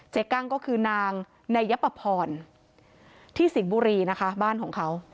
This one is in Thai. กั้งก็คือนางนายปะพรที่สิงห์บุรีนะคะบ้านของเขา